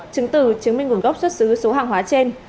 chứng từ chứng minh nguồn gốc xuất xứ số hàng hóa trên